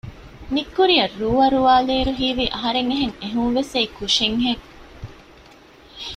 ނިތްކުރިއަށް ރޫ އަރުވާލި އިރު ހީވީ އަހަރެން އެހެން އެހުންވެސް އެއީ ކުށެއް ހެން